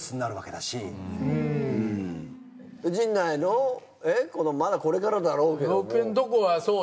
陣内の子どもまだこれからだろうけども。